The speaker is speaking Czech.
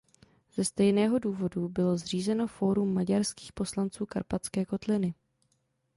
Ze stejného důvodu bylo zřízeno Fórum maďarských poslanců Karpatské kotliny.